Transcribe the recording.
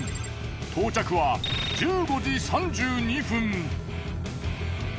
到着は１５時３２分。